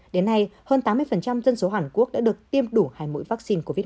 đến nay hơn tám mươi dân số hàn quốc đã được tiêm đủ hai mũi vaccine covid một mươi chín